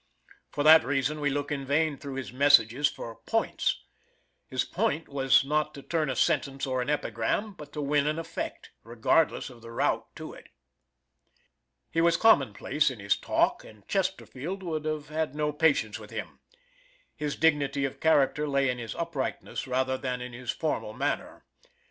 For that reason we look in vain through his messages for "points." His point was not to turn a sentence or an epigram, but to win an effect, regardless of the route to it. He was commonplace in his talk, and Chesterfield would have had no patience with him; his dignity of character lay in his uprightness rather than in his formal manner.